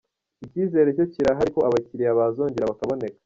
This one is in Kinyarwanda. Icyizere cyo kirahari ko abakiliya bazongera bakaboneka.